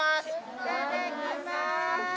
いただきます。